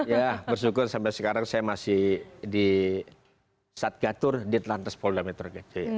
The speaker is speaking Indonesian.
ya bersyukur sampai sekarang saya masih di satgatur di telantas polda metro jaya